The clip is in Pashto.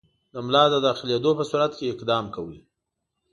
د ملا د داخلېدلو په صورت کې اقدام کوئ.